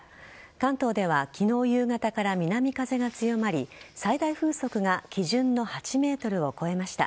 関東では昨日夕方から南風が強まり最大風速が基準の８メートルを超えました。